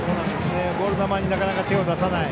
ボール球になかなか手を出さない。